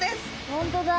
本当だ。